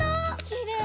きれい！